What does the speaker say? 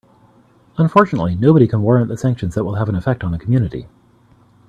Unfortunately, nobody can warrant the sanctions that will have an effect on the community.